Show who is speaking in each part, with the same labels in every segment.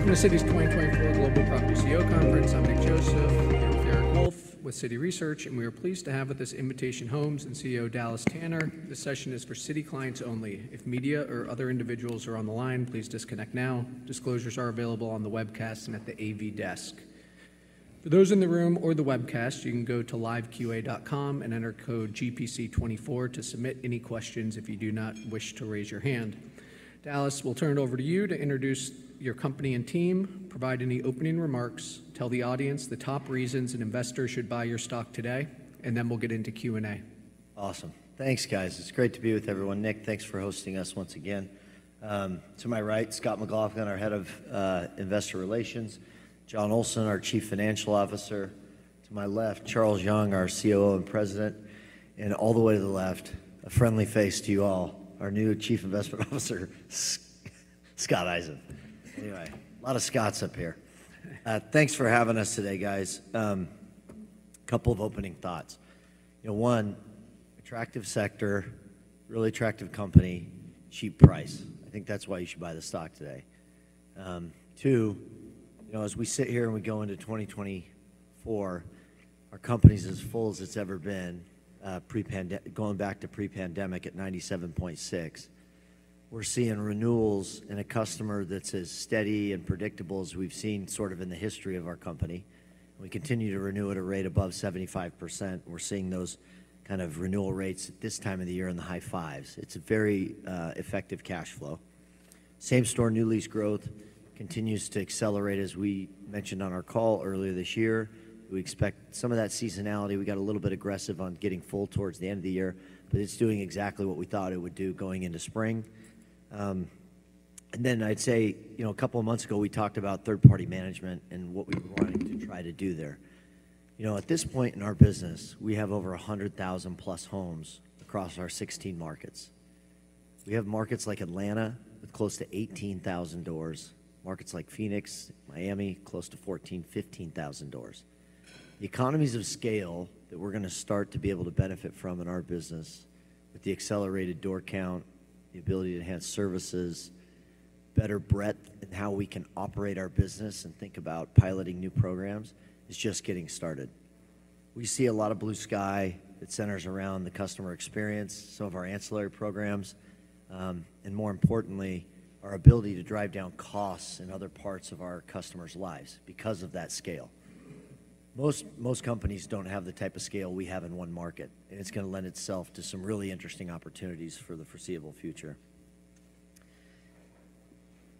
Speaker 1: Welcome to Citi's 2024 Global Property CEO Conference. I'm Nick Joseph. Here with Eric Wolfe with Citi Research, and we are pleased to have with us Invitation Homes and CEO Dallas Tanner. This session is for Citi clients only. If media or other individuals are on the line, please disconnect now. Disclosures are available on the webcast and at the AV desk. For those in the room or the webcast, you can go to LiveQA and enter code GPC24 to submit any questions if you do not wish to raise your hand. Dallas, we'll turn it over to you to introduce your company and team, provide any opening remarks, tell the audience the top reasons an investor should buy your stock today, and then we'll get into Q&A.
Speaker 2: Awesome. Thanks, guys. It's great to be with everyone. Nick, thanks for hosting us once again. To my right, Scott McLaughlin, our Head of Investor Relations, Jon Olsen, our Chief Financial Officer, to my left, Charles Young, our COO and President, and all the way to the left, a friendly face to you all, our new Chief Investment Officer, Scott Eisen. Anyway, a lot of Scotts up here. Thanks for having us today, guys. A couple of opening thoughts. One, attractive sector, really attractive company, cheap price. I think that's why you should buy the stock today. Two, as we sit here and we go into 2024, our company's as full as it's ever been pre-pandemic, going back to pre-pandemic at 97.6. We're seeing renewals in a customer that's as steady and predictable as we've seen sort of in the history of our company. We continue to renew at a rate above 75%. We're seeing those kind of renewal rates at this time of the year in the high fives. It's a very effective cash flow. Same Store new lease growth continues to accelerate. As we mentioned on our call earlier this year, we expect some of that seasonality. We got a little bit aggressive on getting full towards the end of the year, but it's doing exactly what we thought it would do going into spring. Then I'd say a couple of months ago, we talked about Third-Party Management and what we were wanting to try to do there. At this point in our business, we have over 100,000+ homes across our 16 markets. We have markets like Atlanta with close to 18,000 doors, markets like Phoenix, Miami, close to 14,000-15,000 doors. The economies of scale that we're going to start to be able to benefit from in our business with the accelerated door count, the ability to enhance services, better breadth in how we can operate our business and think about piloting new programs, is just getting started. We see a lot of blue sky that centers around the customer experience, some of our ancillary programs, and more importantly, our ability to drive down costs in other parts of our customers' lives because of that scale. Most companies don't have the type of scale we have in one market, and it's going to lend itself to some really interesting opportunities for the foreseeable future.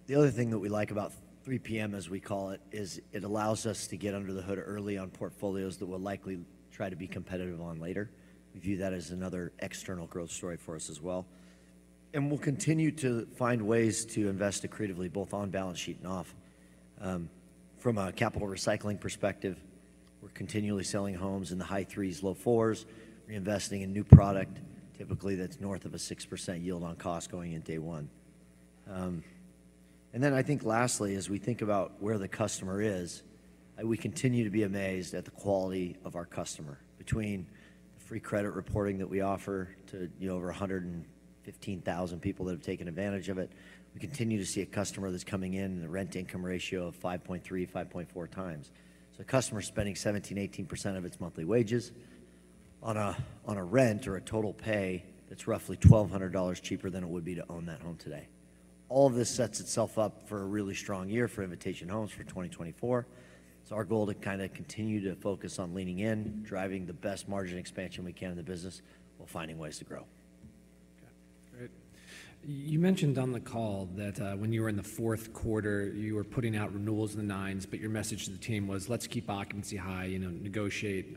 Speaker 2: The other thing that we like about 3PM, as we call it, is it allows us to get under the hood early on portfolios that we'll likely try to be competitive on later. We view that as another external growth story for us as well. We'll continue to find ways to invest it creatively, both on balance sheet and off. From a capital recycling perspective, we're continually selling homes in the high threes, low fours, reinvesting in new product, typically that's north of a 6% yield on cost going in day one. Then I think lastly, as we think about where the customer is, we continue to be amazed at the quality of our customer. Between the free credit reporting that we offer to over 115,000 people that have taken advantage of it, we continue to see a customer that's coming in in a rent income ratio of 5.3-5.4 times. A customer spending 17%-18% of its monthly wages on a rent or a total pay that's roughly $1,200 cheaper than it would be to own that home today. All of this sets itself up for a really strong year for Invitation Homes for 2024. So our goal to kind of continue to focus on leaning in, driving the best margin expansion we can in the business while finding ways to grow.
Speaker 3: Okay. Great. You mentioned on the call that when you were in the Q4, you were putting out renewals in the nines, but your message to the team was, "Let's keep occupancy high, negotiate."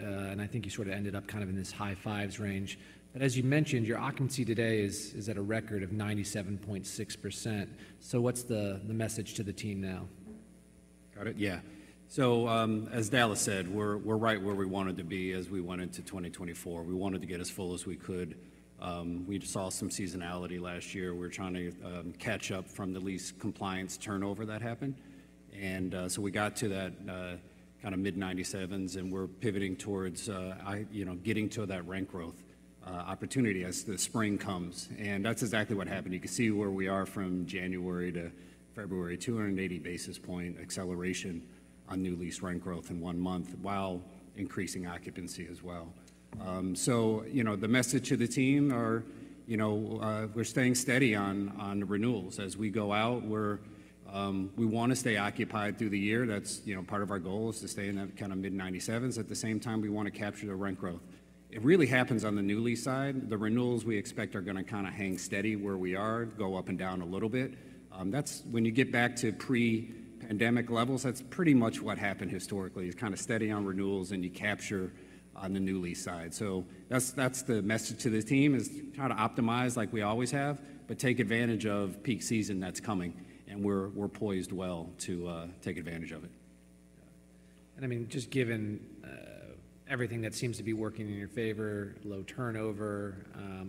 Speaker 3: And I think you sort of ended up kind of in this high fives range. But as you mentioned, your occupancy today is at a record of 97.6%. So what's the message to the team now?
Speaker 4: Got it. Yeah. So as Dallas said, we're right where we wanted to be as we went into 2024. We wanted to get as full as we could. We saw some seasonality last year. We were trying to catch up from the lease compliance turnover that happened. And so we got to that kind of mid-97s, and we're pivoting towards getting to that rent growth opportunity as the spring comes. And that's exactly what happened. You can see where we are from January to February: 280 basis point acceleration on new lease rent growth in one month while increasing occupancy as well. So the message to the team are we're staying steady on renewals. As we go out, we want to stay occupied through the year. That's part of our goal, is to stay in that kind of mid-97s. At the same time, we want to capture the rent growth. It really happens on the new lease side. The renewals we expect are going to kind of hang steady where we are, go up and down a little bit. When you get back to pre-pandemic levels, that's pretty much what happened historically, is kind of steady on renewals and you capture on the new lease side. So that's the message to the team, is try to optimize like we always have, but take advantage of peak season that's coming. And we're poised well to take advantage of it.
Speaker 3: Yeah. And I mean, just given everything that seems to be working in your favor, low turnover,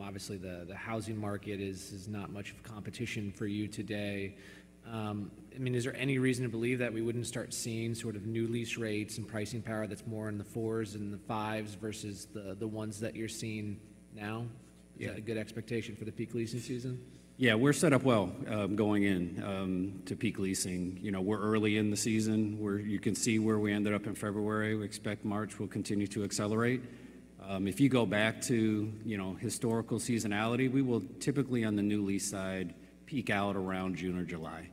Speaker 3: obviously the housing market is not much of competition for you today. I mean, is there any reason to believe that we wouldn't start seeing sort of new lease rates and pricing power that's more in the fours and the fives versus the ones that you're seeing now? Is that a good expectation for the peak leasing season?
Speaker 4: Yeah. We're set up well going into peak leasing. We're early in the season. You can see where we ended up in February. We expect March will continue to accelerate. If you go back to historical seasonality, we will typically, on the new lease side, peak out around June or July. And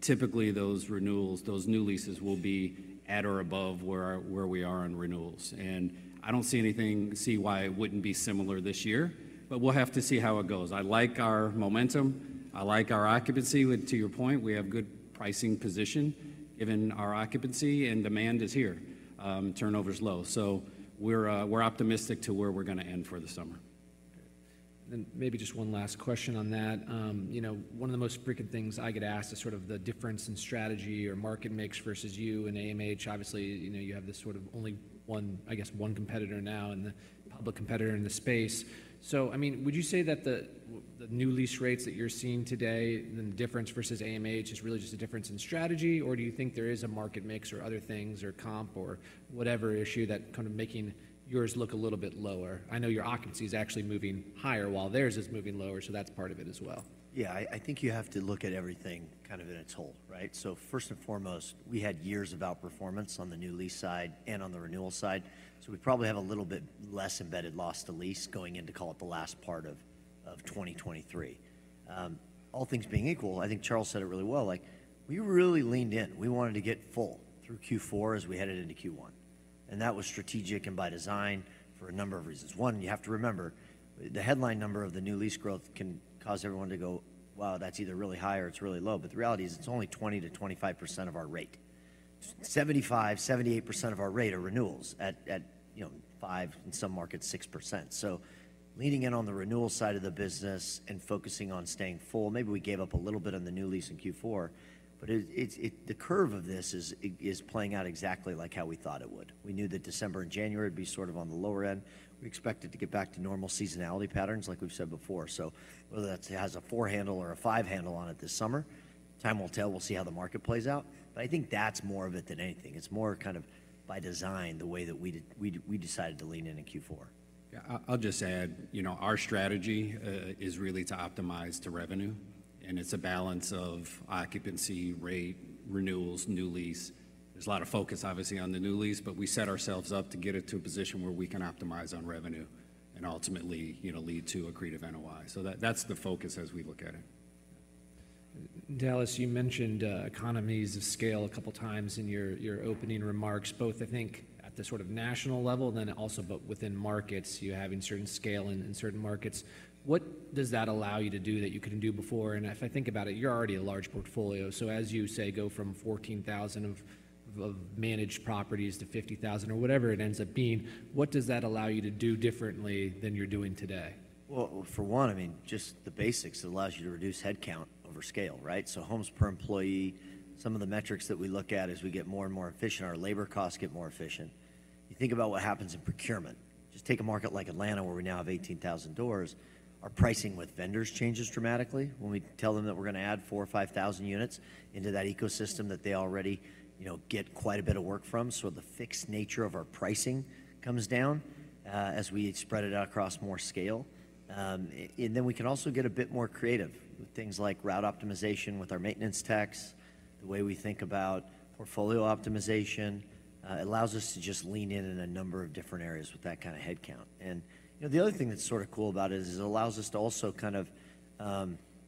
Speaker 4: typically, those renewals, those new leases will be at or above where we are on renewals. And I don't see anything see why it wouldn't be similar this year, but we'll have to see how it goes. I like our momentum. I like our occupancy. To your point, we have good pricing position given our occupancy, and demand is here. Turnover's low. So we're optimistic to where we're going to end for the summer.
Speaker 3: Okay. And then maybe just one last question on that. One of the most frequent things I get asked is sort of the difference in strategy or market mix versus you and AMH. Obviously, you have this sort of only one, I guess, one competitor now and the public competitor in the space. So I mean, would you say that the new lease rates that you're seeing today and the difference versus AMH is really just a difference in strategy, or do you think there is a market mix or other things or comp or whatever issue that's kind of making yours look a little bit lower? I know your occupancy is actually moving higher while theirs is moving lower, so that's part of it as well.
Speaker 2: Yeah. I think you have to look at everything kind of in its whole, right? So first and foremost, we had years of outperformance on the new lease side and on the renewal side. So we probably have a little bit less embedded loss to lease going into, call it, the last part of 2023. All things being equal, I think Charles said it really well, we really leaned in. We wanted to get full through Q4 as we headed into Q1. And that was strategic and by design for a number of reasons. One, you have to remember the headline number of the new lease growth can cause everyone to go, "Wow, that's either really high or it's really low." But the reality is it's only 20%-25% of our rate. 75%-78% of our rate are renewals at 5%, in some markets, 6%. So leaning in on the renewal side of the business and focusing on staying full, maybe we gave up a little bit on the new lease in Q4, but the curve of this is playing out exactly like how we thought it would. We knew that December and January would be sort of on the lower end. We expected to get back to normal seasonality patterns like we've said before. So whether that has a four handle or a five handle on it this summer, time will tell. We'll see how the market plays out. But I think that's more of it than anything. It's more kind of by design the way that we decided to lean in in Q4.
Speaker 4: Yeah. I'll just add, our strategy is really to optimize to revenue. It's a balance of occupancy, rate, renewals, new lease. There's a lot of focus, obviously, on the new lease, but we set ourselves up to get it to a position where we can optimize on revenue and ultimately lead to a creative NOI. That's the focus as we look at it.
Speaker 3: Dallas, you mentioned economies of scale a couple of times in your opening remarks, both, I think, at the sort of national level and then also within markets, you having certain scale in certain markets. What does that allow you to do that you couldn't do before? And if I think about it, you're already a large portfolio. So as you say, go from 14,000 of managed properties to 50,000 or whatever it ends up being, what does that allow you to do differently than you're doing today?
Speaker 2: Well, for one, I mean, just the basics. It allows you to reduce headcount over scale, right? So homes per employee, some of the metrics that we look at as we get more and more efficient, our labor costs get more efficient. You think about what happens in procurement. Just take a market like Atlanta where we now have 18,000 doors. Our pricing with vendors changes dramatically when we tell them that we're going to add 4,000, 5,000 units into that ecosystem that they already get quite a bit of work from. So the fixed nature of our pricing comes down as we spread it out across more scale. And then we can also get a bit more creative with things like route optimization with our maintenance techs, the way we think about portfolio optimization. It allows us to just lean in in a number of different areas with that kind of headcount. The other thing that's sort of cool about it is it allows us to also kind of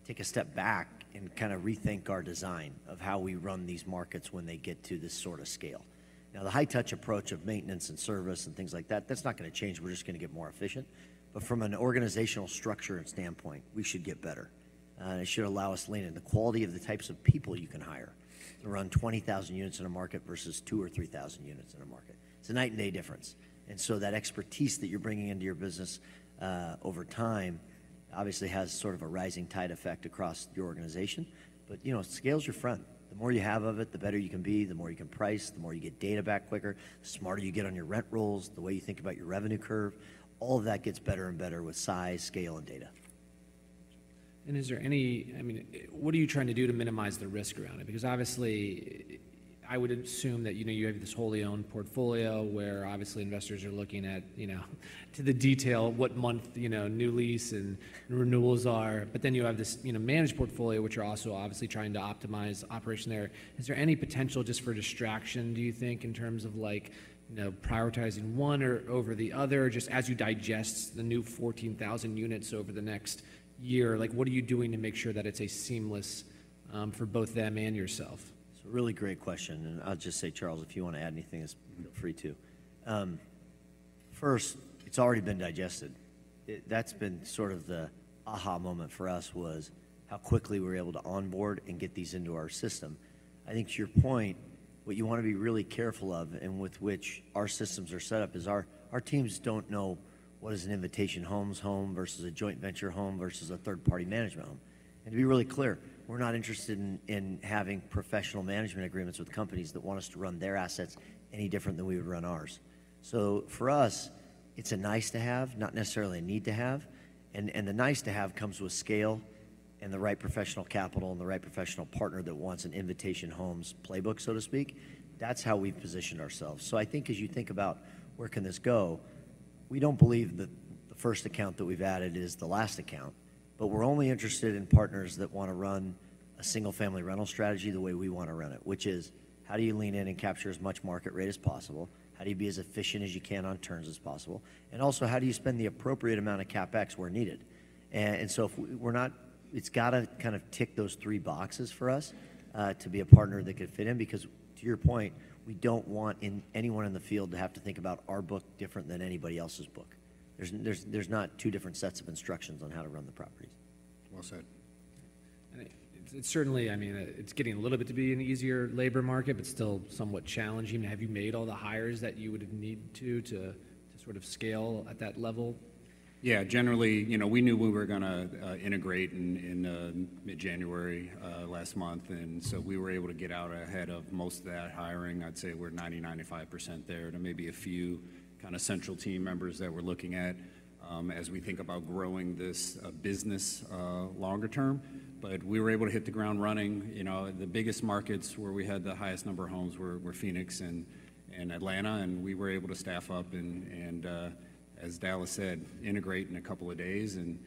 Speaker 2: take a step back and kind of rethink our design of how we run these markets when they get to this sort of scale. Now, the high-touch approach of maintenance and service and things like that, that's not going to change. We're just going to get more efficient. From an organizational structure standpoint, we should get better. It should allow us to lean in. The quality of the types of people you can hire to run 20,000 units in a market versus 2,000 or 3,000 units in a market. It's a night-and-day difference. And so that expertise that you're bringing into your business over time, obviously, has sort of a rising tide effect across your organization. But scale's your friend. The more you have of it, the better you can be, the more you can price, the more you get data back quicker, the smarter you get on your rent rules, the way you think about your revenue curve, all of that gets better and better with size, scale, and data.
Speaker 3: Gotcha. And is there any—I mean, what are you trying to do to minimize the risk around it? Because obviously, I would assume that you have this wholly owned portfolio where, obviously, investors are looking at, to the detail, what month new lease and renewals are. But then you have this managed portfolio, which you're also obviously trying to optimize operation there. Is there any potential just for distraction, do you think, in terms of prioritizing one over the other just as you digest the new 14,000 units over the next year? What are you doing to make sure that it's seamless for both them and yourself?
Speaker 2: It's a really great question. I'll just say, Charles, if you want to add anything, feel free to. First, it's already been digested. That's been sort of the aha moment for us was how quickly we're able to onboard and get these into our system. I think to your point, what you want to be really careful of and with which our systems are set up is our teams don't know what is an Invitation Homes home versus a joint venture home versus a third-party management home. To be really clear, we're not interested in having professional management agreements with companies that want us to run their assets any different than we would run ours. For us, it's a nice-to-have, not necessarily a need-to-have. The nice-to-have comes with scale and the right professional capital and the right professional partner that wants an Invitation Homes playbook, so to speak. That's how we position ourselves. I think as you think about where can this go, we don't believe that the first account that we've added is the last account. But we're only interested in partners that want to run a single-family rental strategy the way we want to run it, which is how do you lean in and capture as much market rate as possible? How do you be as efficient as you can on turns as possible? And also, how do you spend the appropriate amount of CapEx where needed? And so it's got to kind of tick those three boxes for us to be a partner that could fit in because, to your point, we don't want anyone in the field to have to think about our book different than anybody else's book. There's not two different sets of instructions on how to run the properties.
Speaker 4: Well said.
Speaker 3: Certainly, I mean, it's getting a little bit to be an easier labor market but still somewhat challenging. I mean, have you made all the hires that you would have needed to to sort of scale at that level?
Speaker 4: Yeah. Generally, we knew we were going to integrate in mid-January last month. And so we were able to get out ahead of most of that hiring. I'd say we're 90%-95% there to maybe a few kind of central team members that we're looking at as we think about growing this business longer term. But we were able to hit the ground running. The biggest markets where we had the highest number of homes were Phoenix and Atlanta. And we were able to staff up and, as Dallas said, integrate in a couple of days. And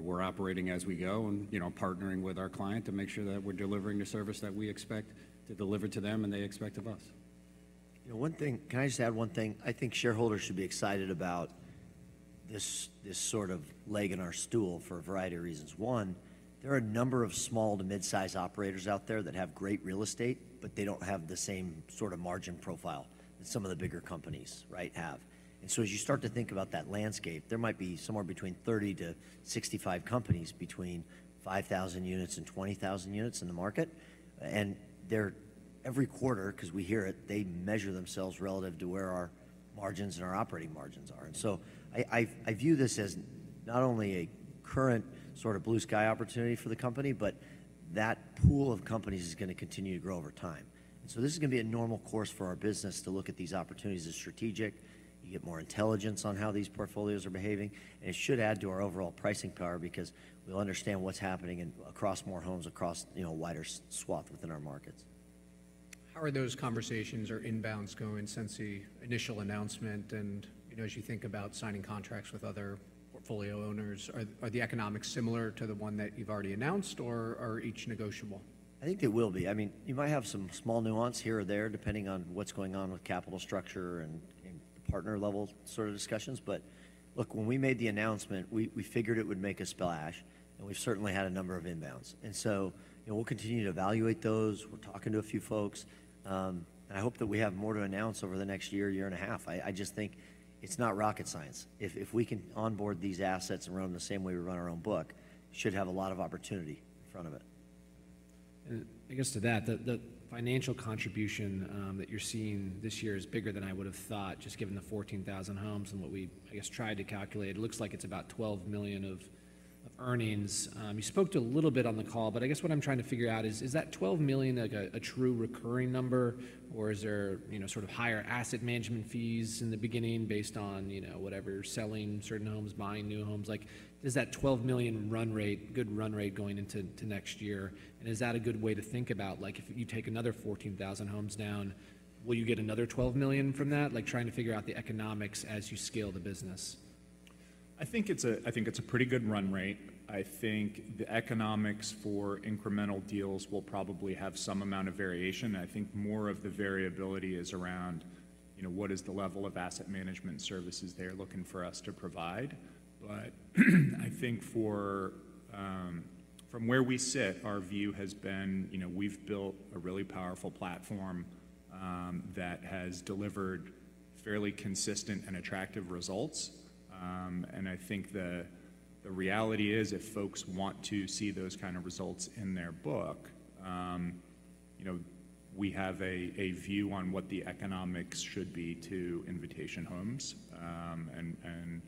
Speaker 4: we're operating as we go and partnering with our client to make sure that we're delivering the service that we expect to deliver to them and they expect of us.
Speaker 2: Can I just add one thing? I think shareholders should be excited about this sort of leg in our stool for a variety of reasons. One, there are a number of small to midsize operators out there that have great real estate, but they don't have the same sort of margin profile that some of the bigger companies, right, have. And so as you start to think about that landscape, there might be somewhere between 30-65 companies between 5,000-20,000 units in the market. And every quarter, because we hear it, they measure themselves relative to where our margins and our operating margins are. And so I view this as not only a current sort of blue sky opportunity for the company, but that pool of companies is going to continue to grow over time. This is going to be a normal course for our business to look at these opportunities as strategic. You get more intelligence on how these portfolios are behaving. It should add to our overall pricing power because we'll understand what's happening across more homes, across a wider swath within our markets.
Speaker 3: How are those conversations or inbounds going since the initial announcement? As you think about signing contracts with other portfolio owners, are the economics similar to the one that you've already announced, or are each negotiable?
Speaker 2: I think they will be. I mean, you might have some small nuance here or there depending on what's going on with capital structure and partner-level sort of discussions. But look, when we made the announcement, we figured it would make a splash. And we've certainly had a number of inbounds. And so we'll continue to evaluate those. We're talking to a few folks. And I hope that we have more to announce over the next year, year and a half. I just think it's not rocket science. If we can onboard these assets and run them the same way we run our own book, we should have a lot of opportunity in front of it.
Speaker 3: I guess to that, the financial contribution that you're seeing this year is bigger than I would have thought just given the 14,000 homes and what we, I guess, tried to calculate. It looks like it's about $12 million of earnings. You spoke a little bit on the call, but I guess what I'm trying to figure out is, is that $12 million a true recurring number, or is there sort of higher asset management fees in the beginning based on whatever selling certain homes, buying new homes? Is that $12 million run rate, good run rate going into next year? And is that a good way to think about, if you take another 14,000 homes down, will you get another $12 million from that? Trying to figure out the economics as you scale the business.
Speaker 4: I think it's a pretty good run rate. I think the economics for incremental deals will probably have some amount of variation. And I think more of the variability is around what is the level of asset management services they're looking for us to provide. But I think from where we sit, our view has been we've built a really powerful platform that has delivered fairly consistent and attractive results. And I think the reality is if folks want to see those kind of results in their book, we have a view on what the economics should be to Invitation Homes. And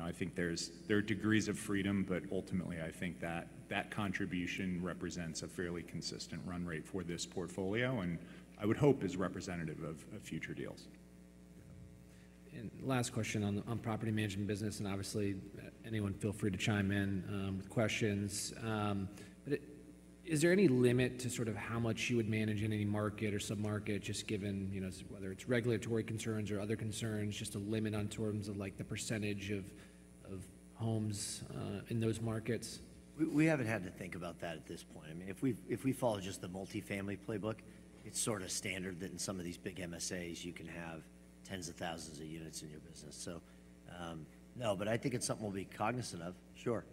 Speaker 4: I think there are degrees of freedom, but ultimately, I think that contribution represents a fairly consistent run rate for this portfolio and I would hope is representative of future deals.
Speaker 3: Got it. And last question on property management business. And obviously, anyone, feel free to chime in with questions. But is there any limit to sort of how much you would manage in any market or submarket just given whether it's regulatory concerns or other concerns, just a limit in terms of the percentage of homes in those markets?
Speaker 2: We haven't had to think about that at this point. I mean, if we follow just the multifamily playbook, it's sort of standard that in some of these big MSAs, you can have tens of thousands of units in your business. So no, but I think it's something we'll be cognizant of.
Speaker 4: Sure.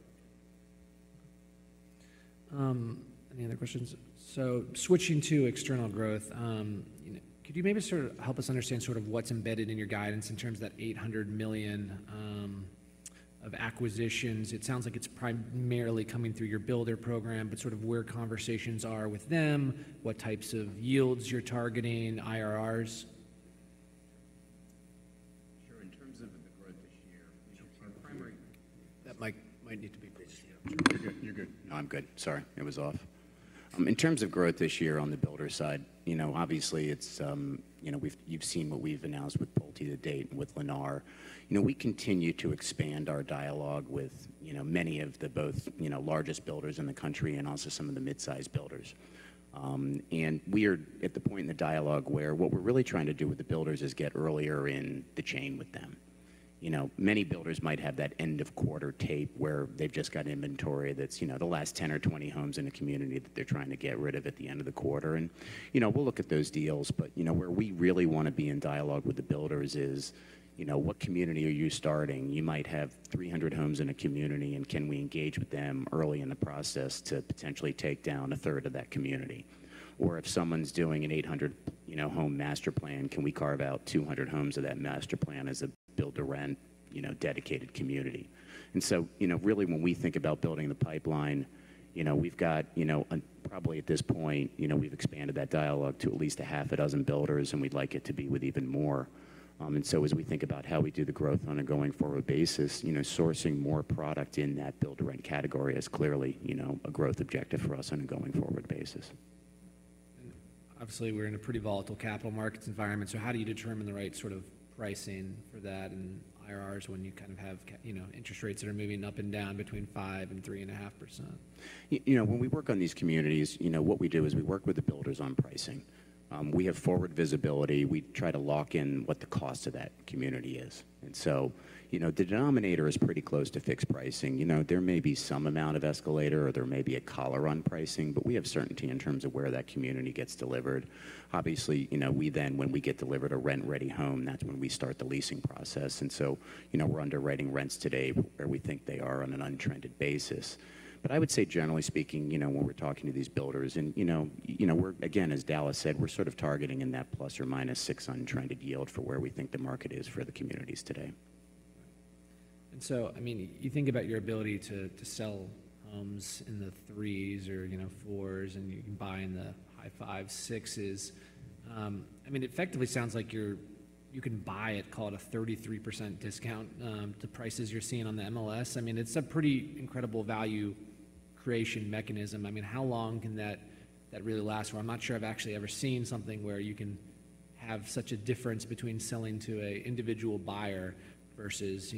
Speaker 3: Any other questions? So switching to external growth, could you maybe sort of help us understand sort of what's embedded in your guidance in terms of that $800 million of acquisitions? It sounds like it's primarily coming through your builder program, but sort of where conversations are with them, what types of yields you're targeting, IRRs?
Speaker 2: Sure. In terms of the growth this year, our primary.
Speaker 3: That might need to be pushed.
Speaker 5: Sure. You're good. No, I'm good. Sorry. It was off. In terms of growth this year on the builder side, obviously, you've seen what we've announced with Pulte to date and with Lennar. We continue to expand our dialogue with many of the both largest builders in the country and also some of the midsize builders. We are at the point in the dialogue where what we're really trying to do with the builders is get earlier in the chain with them. Many builders might have that end-of-quarter tape where they've just got inventory that's the last 10 or 20 homes in a community that they're trying to get rid of at the end of the quarter. We'll look at those deals. But where we really want to be in dialogue with the builders is, what community are you starting? You might have 300 homes in a community. Can we engage with them early in the process to potentially take down a third of that community? Or if someone's doing an 800-home master plan, can we carve out 200 homes of that master plan as a builder-rent dedicated community? And so really, when we think about building the pipeline, we've got probably at this point, we've expanded that dialogue to at least half a dozen builders. And we'd like it to be with even more. And so as we think about how we do the growth on a going forward basis, sourcing more product in that builder-rent category is clearly a growth objective for us on a going forward basis.
Speaker 3: Obviously, we're in a pretty volatile capital markets environment. How do you determine the right sort of pricing for that and IRRs when you kind of have interest rates that are moving up and down between 5%-3.5%?
Speaker 5: When we work on these communities, what we do is we work with the builders on pricing. We have forward visibility. We try to lock in what the cost of that community is. And so the denominator is pretty close to fixed pricing. There may be some amount of escalator, or there may be a collar on pricing. But we have certainty in terms of where that community gets delivered. Obviously, we then, when we get delivered a rent-ready home, that's when we start the leasing process. And so we're underwriting rents today where we think they are on an untrended basis. But I would say, generally speaking, when we're talking to these builders and again, as Dallas said, we're sort of targeting in that ±6 untrended yield for where we think the market is for the communities today.
Speaker 3: I mean, you think about your ability to sell homes in the 3s or 4s, and you can buy in the high 5s, 6s. I mean, it effectively sounds like you can buy it, call it a 33% discount, to prices you're seeing on the MLS. I mean, it's a pretty incredible value creation mechanism. I mean, how long can that really last? I'm not sure I've actually ever seen something where you can have such a difference between selling to an individual buyer versus a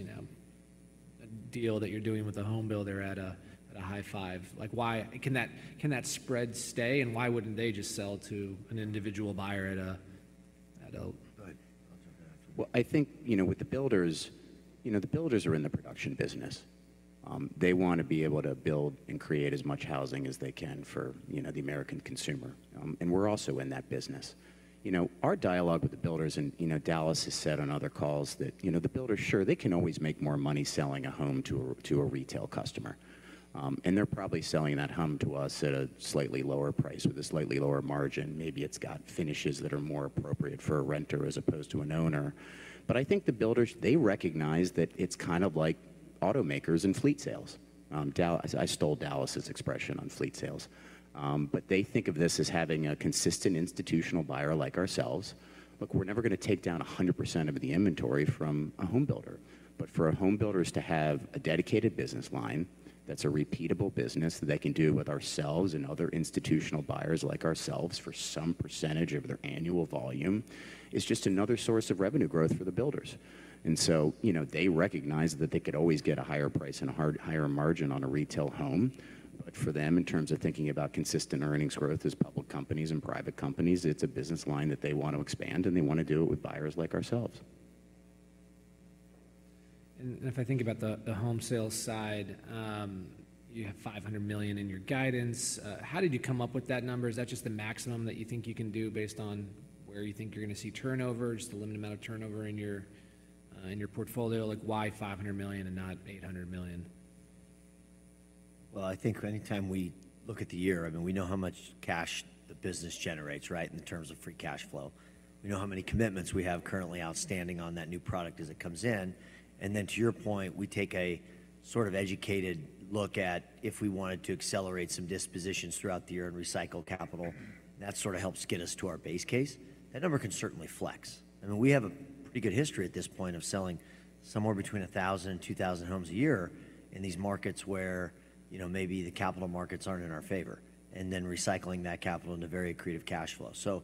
Speaker 3: deal that you're doing with a homebuilder at a high 5. Can that spread stay? And why wouldn't they just sell to an individual buyer at a.
Speaker 5: Go ahead. I'll jump in after that. Well, I think with the builders, the builders are in the production business. They want to be able to build and create as much housing as they can for the American consumer. We're also in that business. Our dialogue with the builders and Dallas has said on other calls that the builders, sure, they can always make more money selling a home to a retail customer. They're probably selling that home to us at a slightly lower price with a slightly lower margin. Maybe it's got finishes that are more appropriate for a renter as opposed to an owner. But I think the builders, they recognize that it's kind of like automakers and fleet sales. I stole Dallas's expression on fleet sales. But they think of this as having a consistent institutional buyer like ourselves. Look, we're never going to take down 100% of the inventory from a homebuilder. But for homebuilders to have a dedicated business line that's a repeatable business that they can do with ourselves and other institutional buyers like ourselves for some percentage of their annual volume is just another source of revenue growth for the builders. And so they recognize that they could always get a higher price and a higher margin on a retail home. But for them, in terms of thinking about consistent earnings growth as public companies and private companies, it's a business line that they want to expand. And they want to do it with buyers like ourselves.
Speaker 3: If I think about the home sales side, you have $500 million in your guidance. How did you come up with that number? Is that just the maximum that you think you can do based on where you think you're going to see turnovers, the limited amount of turnover in your portfolio? Why $500 million and not $800 million?
Speaker 2: Well, I think anytime we look at the year, I mean, we know how much cash the business generates, right, in terms of free cash flow. We know how many commitments we have currently outstanding on that new product as it comes in. And then to your point, we take a sort of educated look at if we wanted to accelerate some dispositions throughout the year and recycle capital. That sort of helps get us to our base case. That number can certainly flex. I mean, we have a pretty good history at this point of selling somewhere between 1,000 and 2,000 homes a year in these markets where maybe the capital markets aren't in our favor and then recycling that capital into very creative cash flow. So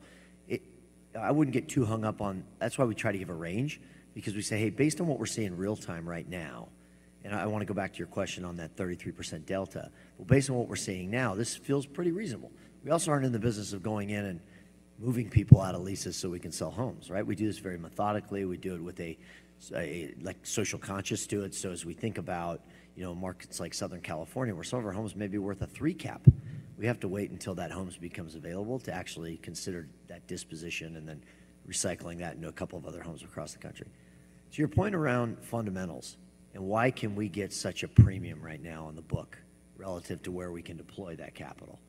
Speaker 2: I wouldn't get too hung up on that. That's why we try to give a range because we say, "Hey, based on what we're seeing real-time right now" and I want to go back to your question on that 33% delta. "But based on what we're seeing now, this feels pretty reasonable." We also aren't in the business of going in and moving people out of leases so we can sell homes, right? We do this very methodically. We do it with a social consciousness to it. So as we think about markets like Southern California, where some of our homes may be worth a 3 cap, we have to wait until that homes becomes available to actually consider that disposition and then recycling that into a couple of other homes across the country. To your point around fundamentals and why can we get such a premium right now on the book relative to where we can deploy that capital,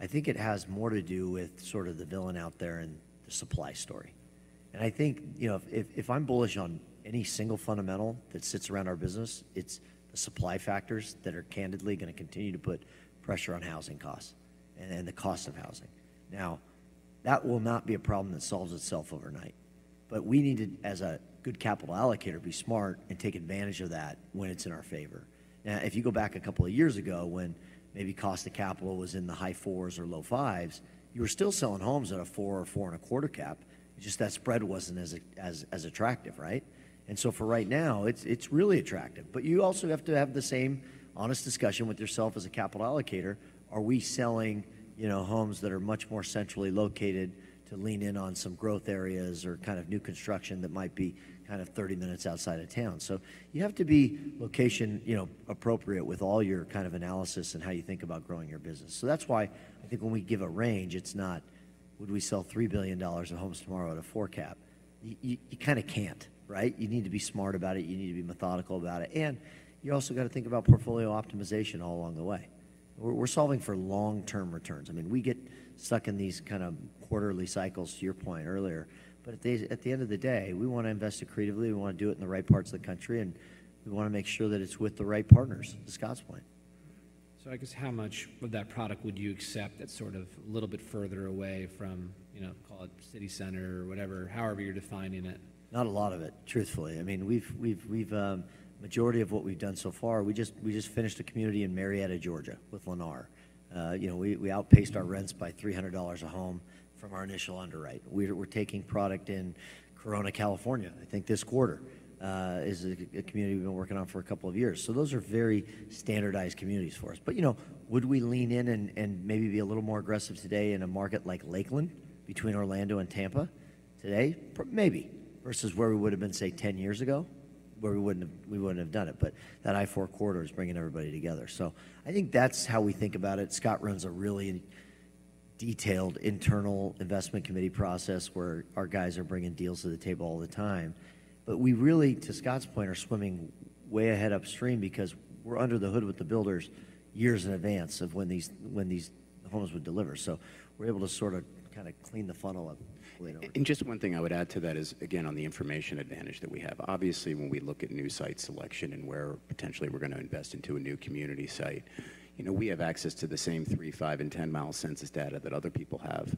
Speaker 2: I think it has more to do with sort of the villain out there and the supply story. And I think if I'm bullish on any single fundamental that sits around our business, it's the supply factors that are candidly going to continue to put pressure on housing costs and the cost of housing. Now, that will not be a problem that solves itself overnight. But we need to, as a good capital allocator, be smart and take advantage of that when it's in our favor. Now, if you go back a couple of years ago when maybe cost of capital was in the high 4s or low 5s, you were still selling homes at a 4 or 4.25 cap. It's just that spread wasn't as attractive, right? So for right now, it's really attractive. But you also have to have the same honest discussion with yourself as a capital allocator. Are we selling homes that are much more centrally located to lean in on some growth areas or kind of new construction that might be kind of 30 minutes outside of town? So you have to be location appropriate with all your kind of analysis and how you think about growing your business. So that's why I think when we give a range, it's not, "Would we sell $3 billion of homes tomorrow at a 4 cap?" You kind of can't, right? You need to be smart about it. You need to be methodical about it. And you also got to think about portfolio optimization all along the way. We're solving for long-term returns. I mean, we get stuck in these kind of quarterly cycles, to your point earlier. But at the end of the day, we want to invest it creatively. We want to do it in the right parts of the country. And we want to make sure that it's with the right partners, to Scott's point.
Speaker 3: I guess how much of that product would you accept that's sort of a little bit further away from, call it, city center or whatever, however you're defining it?
Speaker 2: Not a lot of it, truthfully. I mean, majority of what we've done so far, we just finished a community in Marietta, Georgia, with Lennar. We outpaced our rents by $300 a home from our initial underwrite. We're taking product in Corona, California, I think this quarter, is a community we've been working on for a couple of years. So those are very standardized communities for us. But would we lean in and maybe be a little more aggressive today in a market like Lakeland between Orlando and Tampa today? Maybe. Versus where we would have been, say, 10 years ago, where we wouldn't have done it. But that high 4 quarters is bringing everybody together. So I think that's how we think about it. Scott runs a really detailed internal investment committee process where our guys are bringing deals to the table all the time. But we really, to Scott's point, are swimming way ahead upstream because we're under the hood with the builders years in advance of when these homes would deliver. So we're able to sort of kind of clean the funnel up.
Speaker 5: Just one thing I would add to that is, again, on the information advantage that we have. Obviously, when we look at new site selection and where potentially we're going to invest into a new community site, we have access to the same 3, 5, and 10-mile census data that other people have.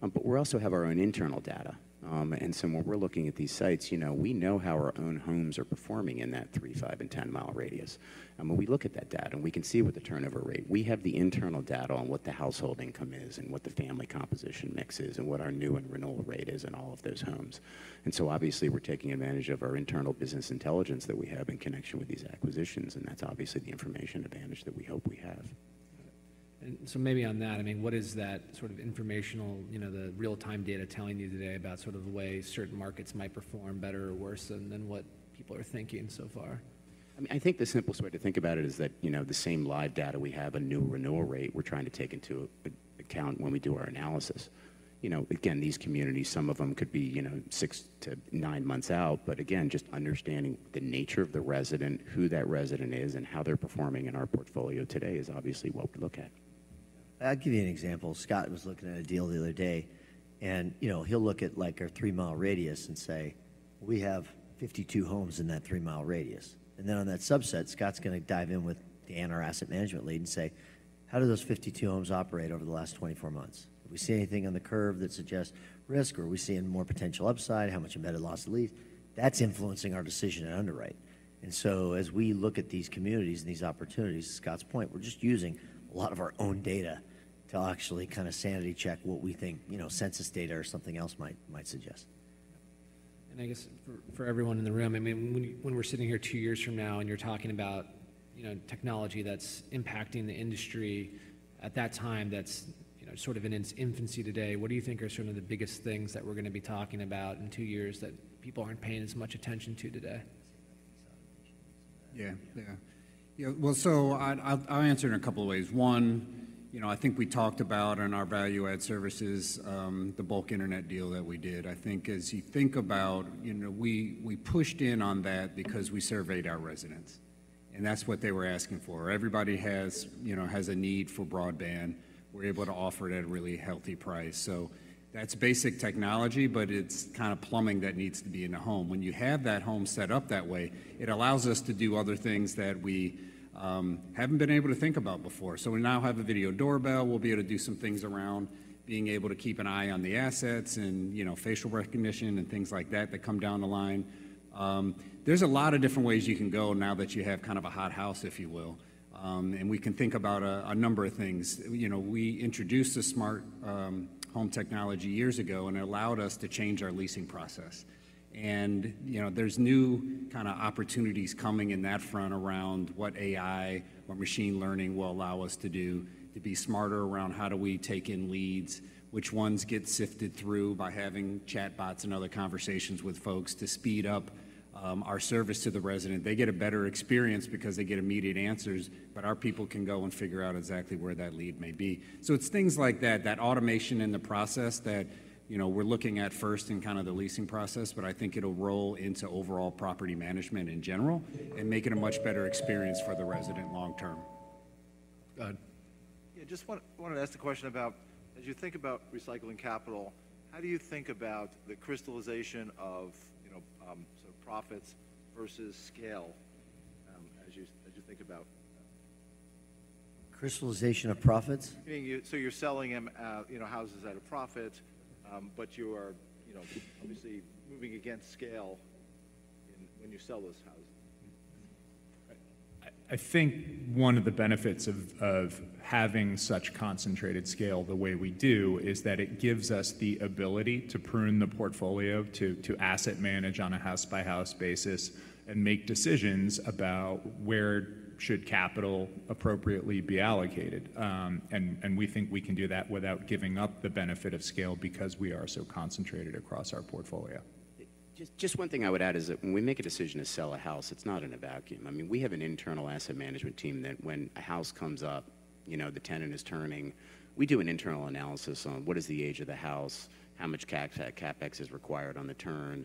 Speaker 5: But we also have our own internal data. And so when we're looking at these sites, we know how our own homes are performing in that 3, 5, and 10-mile radius. And when we look at that data, and we can see with the turnover rate, we have the internal data on what the household income is and what the family composition mix is and what our new and renewal rate is in all of those homes. And so obviously, we're taking advantage of our internal business intelligence that we have in connection with these acquisitions. That's obviously the information advantage that we hope we have.
Speaker 3: And so maybe on that, I mean, what is that sort of informational, the real-time data telling you today about sort of the way certain markets might perform better or worse than what people are thinking so far?
Speaker 5: I mean, I think the simple way to think about it is that the same live data we have, a new renewal rate, we're trying to take into account when we do our analysis. Again, these communities, some of them could be 6-9 months out. But again, just understanding the nature of the resident, who that resident is, and how they're performing in our portfolio today is obviously what we look at. I'll give you an example. Scott was looking at a deal the other day. He'll look at our 3-mile radius and say, "We have 52 homes in that 3-mile radius." Then on that subset, Scott's going to dive in with Dan or our asset management lead and say, "How do those 52 homes operate over the last 24 months? Have we seen anything on the curve that suggests risk? Or are we seeing more potential upside? How much embedded Loss to Lease?" That's influencing our decision at underwrite. So as we look at these communities and these opportunities, to Scott's point, we're just using a lot of our own data to actually kind of sanity-check what we think census data or something else might suggest.
Speaker 3: And I guess for everyone in the room, I mean, when we're sitting here two years from now and you're talking about technology that's impacting the industry at that time that's sort of in its infancy today, what do you think are some of the biggest things that we're going to be talking about in two years that people aren't paying as much attention to today?
Speaker 6: Yeah. Yeah. Well, so I'll answer in a couple of ways. One, I think we talked about in our value-add services the bulk internet deal that we did. I think as you think about, we pushed in on that because we surveyed our residents. And that's what they were asking for. Everybody has a need for broadband. We're able to offer it at a really healthy price. So that's basic technology. But it's kind of plumbing that needs to be in the home. When you have that home set up that way, it allows us to do other things that we haven't been able to think about before. So we now have a video doorbell. We'll be able to do some things around being able to keep an eye on the assets and facial recognition and things like that that come down the line. There's a lot of different ways you can go now that you have kind of a hot house, if you will. We can think about a number of things. We introduced the Smart Home technology years ago. It allowed us to change our leasing process. There's new kind of opportunities coming in that front around what AI, what machine learning will allow us to do to be smarter around how do we take in leads, which ones get sifted through by having chatbots and other conversations with folks to speed up our service to the resident. They get a better experience because they get immediate answers. But our people can go and figure out exactly where that lead may be. So it's things like that, that automation in the process that we're looking at first in kind of the leasing process. I think it'll roll into overall property management in general and make it a much better experience for the resident long term.
Speaker 7: Go ahead.
Speaker 8: Yeah. I just wanted to ask a question about, as you think about recycling capital, how do you think about the crystallization of sort of profits versus scale as you think about?
Speaker 2: Crystallization of profits?
Speaker 8: You mean so you're selling them houses at a profit. But you are obviously moving against scale when you sell those houses.
Speaker 3: I think one of the benefits of having such concentrated scale the way we do is that it gives us the ability to prune the portfolio, to asset manage on a house-by-house basis, and make decisions about where should capital appropriately be allocated. And we think we can do that without giving up the benefit of scale because we are so concentrated across our portfolio.
Speaker 5: Just one thing I would add is that when we make a decision to sell a house, it's not in a vacuum. I mean, we have an internal asset management team that when a house comes up, the tenant is turning, we do an internal analysis on what is the age of the house, how much CapEx is required on the turn.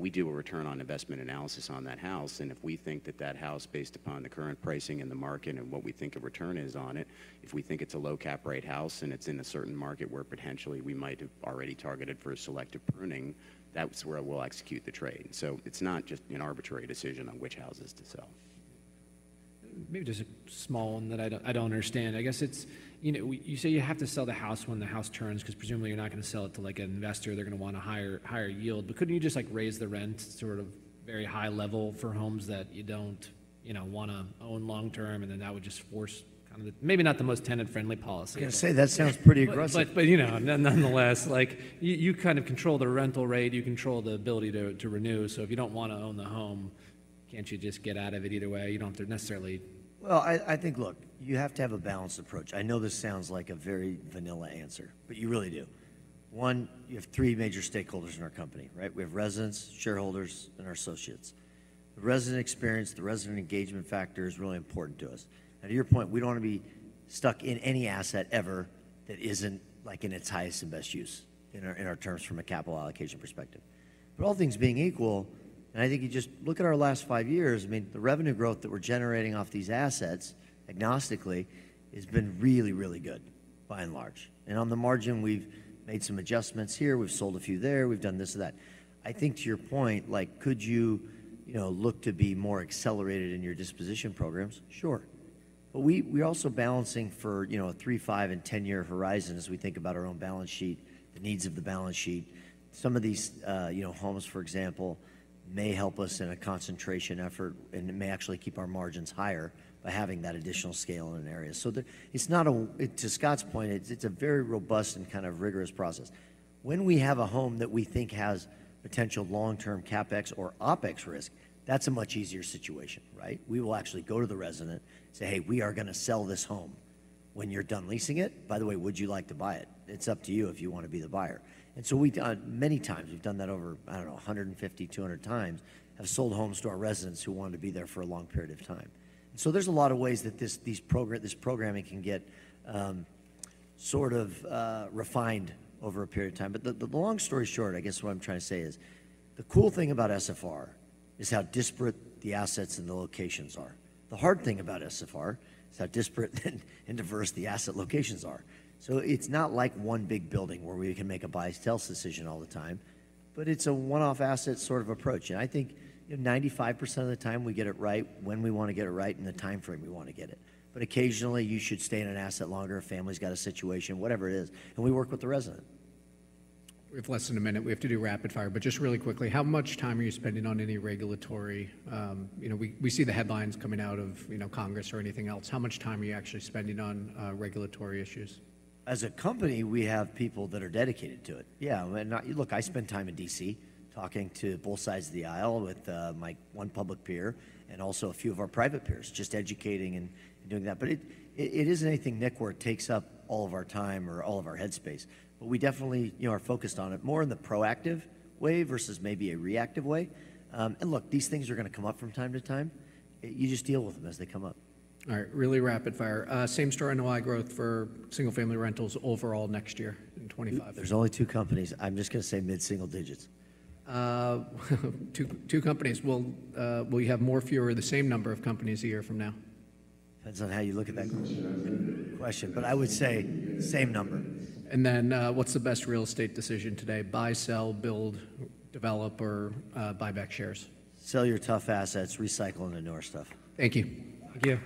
Speaker 5: We do a return on investment analysis on that house. And if we think that that house, based upon the current pricing and the market and what we think a return is on it, if we think it's a low-cap rate house and it's in a certain market where potentially we might have already targeted for a selective pruning, that's where we'll execute the trade. So it's not just an arbitrary decision on which houses to sell.
Speaker 3: Maybe just a small one that I don't understand. I guess you say you have to sell the house when the house turns because presumably, you're not going to sell it to an investor. They're going to want a higher yield. But couldn't you just raise the rent sort of very high level for homes that you don't want to own long term? And then that would just force kind of maybe not the most tenant-friendly policy.
Speaker 2: I was going to say that sounds pretty aggressive.
Speaker 3: Nonetheless, you kind of control the rental rate. You control the ability to renew. So if you don't want to own the home, can't you just get out of it either way? You don't have to necessarily.
Speaker 2: Well, I think, look, you have to have a balanced approach. I know this sounds like a very vanilla answer. But you really do. One, you have three major stakeholders in our company, right? We have residents, shareholders, and our associates. The resident experience, the resident engagement factor is really important to us. Now, to your point, we don't want to be stuck in any asset ever that isn't in its highest and best use in our terms from a capital allocation perspective. But all things being equal, and I think you just look at our last five years, I mean, the revenue growth that we're generating off these assets agnostically has been really, really good by and large. And on the margin, we've made some adjustments here. We've sold a few there. We've done this or that. I think to your point, could you look to be more accelerated in your disposition programs? Sure. But we are also balancing for a 3, 5, and 10-year horizon as we think about our own balance sheet, the needs of the balance sheet. Some of these homes, for example, may help us in a concentration effort. And it may actually keep our margins higher by having that additional scale in an area. So to Scott's point, it's a very robust and kind of rigorous process. When we have a home that we think has potential long-term CapEx or OpEx risk, that's a much easier situation, right? We will actually go to the resident, say, "Hey, we are going to sell this home. When you're done leasing it, by the way, would you like to buy it? It's up to you if you want to be the buyer." And so many times, we've done that over, I don't know, 150, 200 times, have sold homes to our residents who wanted to be there for a long period of time. And so there's a lot of ways that this programming can get sort of refined over a period of time. But the long story short, I guess what I'm trying to say is the cool thing about SFR is how disparate the assets and the locations are. The hard thing about SFR is how disparate and diverse the asset locations are. So it's not like one big building where we can make a buy-sell decision all the time. But it's a one-off asset sort of approach. I think 95% of the time, we get it right when we want to get it right and the time frame we want to get it. Occasionally, you should stay in an asset longer. A family's got a situation, whatever it is. We work with the resident.
Speaker 3: We have less than a minute. We have to do rapid fire. But just really quickly, how much time are you spending on any regulatory we see the headlines coming out of Congress or anything else? How much time are you actually spending on regulatory issues?
Speaker 2: As a company, we have people that are dedicated to it. Yeah. Look, I spend time in D.C. talking to both sides of the aisle with my one public peer and also a few of our private peers, just educating and doing that. But it isn't anything big where it takes up all of our time or all of our headspace. But we definitely are focused on it more in the proactive way versus maybe a reactive way. And look, these things are going to come up from time to time. You just deal with them as they come up.
Speaker 3: All right. Really rapid fire. Same story. NOI growth for single-family rentals overall next year in 2025?
Speaker 2: There's only two companies. I'm just going to say mid-single digits.
Speaker 3: Two companies. Will you have more or fewer of the same number of companies a year from now?
Speaker 2: Depends on how you look at that question. But I would say same number.
Speaker 3: What's the best real estate decision today? Buy, sell, build, develop, or buy back shares?
Speaker 2: Sell your tough assets. Recycle and renew our stuff.
Speaker 3: Thank you.
Speaker 7: Thank you.